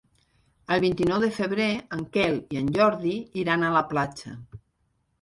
El vint-i-nou de febrer en Quel i en Jordi iran a la platja.